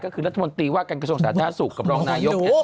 ก็คือรัฐมนตรีว่าการกระทรวงศาสตร์ธนาศุกร์กับรองนายก